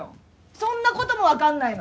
そんなことも分かんないの。